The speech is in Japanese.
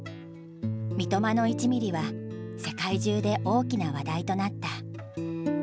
「三笘の１ミリ」は世界中で大きな話題となった。